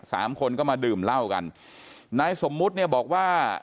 สามคนก็มาดื่มเหล้ากันนายสมมุติเนี่ยบอกว่า